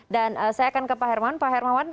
dan saya akan ke pak hermawan pak hermawan